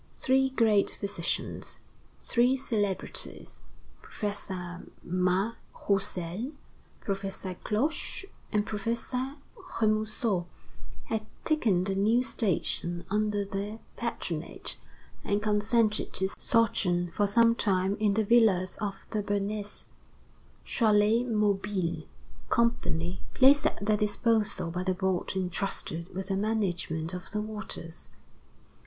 Three great physicians, three celebrities, Professor Mas Roussel, Professor Cloche, and Professor Remusot, had taken the new station under their patronage, and consented to sojourn for sometime in the villas of the Bernese "Chalets Mobiles" Company, placed at their disposal by the Board intrusted with the management of the waters.